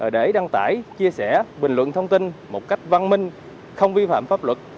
để đăng tải chia sẻ bình luận thông tin một cách văn minh không vi phạm pháp luật